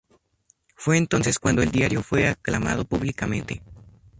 Fue entonces cuando el diario fue aclamado públicamente.